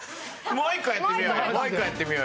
もう１個やってみようよ！